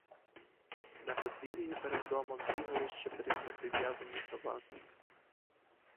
На подвір'ї перед домом бігали ще три не прив'язані собаки.